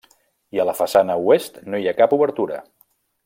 I a la façana oest no hi ha cap obertura.